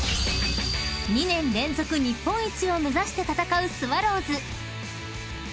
［２年連続日本一を目指して戦うスワローズ］